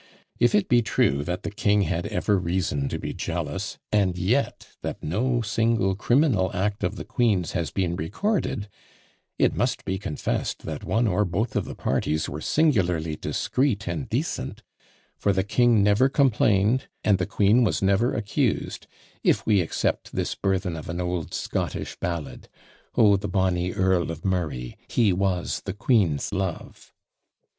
If it be true, that "the king had ever reason to be jealous," and yet that no single criminal act of the queen's has been recorded, it must be confessed that one or both of the parties were singularly discreet and decent; for the king never complained, and the queen was never accused, if we except this burthen of an old Scottish ballad, O the bonny Earl of Murray, He was the queen's love.